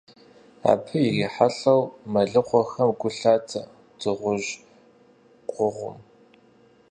Абы ирихьэлӀэу, мэлыхъуэхэм гу лъатэ дыгъужь къугъым.